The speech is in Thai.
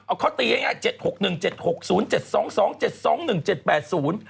เอาข้อตีให้ง่าย๗๖๑๗๖๐๗๒๒๗๒๑๗๘๐